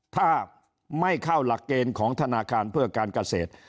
ถ้าไม่เข้าหลักเกณฑ์ของธนาคารเพื่อการเกษตร